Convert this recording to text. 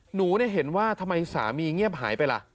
หนูเห็นว่าทำไมสามีเงียบหายไปล่ะ